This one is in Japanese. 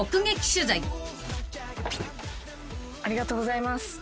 ありがとうございます。